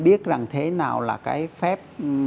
biết rằng thế nào là cái phép